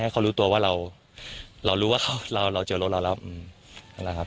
เค้ารู้ตัวว่าเรารู้ว่าเขาเราเจอรถเราแล้ว